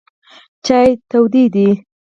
چای تود دی.